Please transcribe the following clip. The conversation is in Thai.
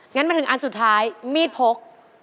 งั้นมาถึงอันสุดท้ายมีดพก